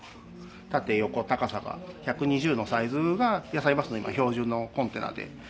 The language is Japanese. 縦横高さが１２０のサイズがやさいバスの今標準のコンテナで。